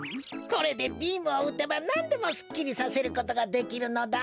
これでビームをうてばなんでもすっきりさせることができるのだ。